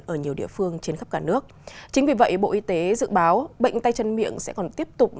ở nhiều địa phương trên khắp cả nước chính vì vậy bộ y tế dự báo bệnh tay chân miệng sẽ còn tiếp tục